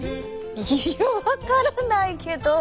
いや分からないけど。